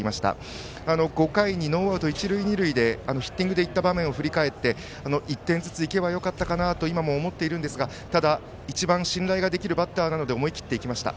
５回にノーアウト一塁二塁でヒッティングに行った場面で１点ずつ行けばよかったかなと今も思っているんですがただ、一番信頼できるバッターなので思い切って行きました。